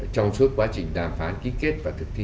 trong suốt quá trình đàm phán ký kết và thực thi